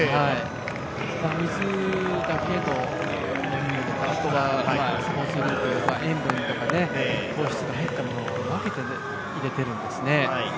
水だけの飲み物とスポーツドリンク、塩分とか糖質が入ったものを分けて入れているんですね。